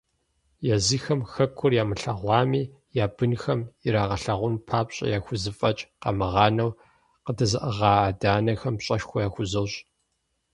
Езыхэм хэкур ямылъэгъуами, я бынхэм ирагъэлъагъун папщӏэ яхузэфӏэкӏ къамыгъанэу къадэзыӏыгъа адэ-анэхэм пщӏэшхуэ яхузощӏ!